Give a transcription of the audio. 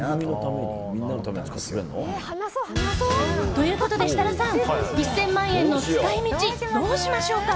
ということで、設楽さん１０００万円の使い道どうしましょうか？